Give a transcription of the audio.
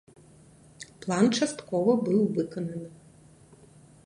План часткова быў выкананы.